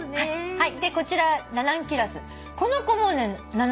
はい。